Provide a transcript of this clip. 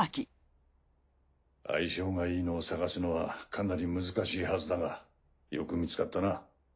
相性がいいのを探すのはかなり難しいはずだがよく見つかったな。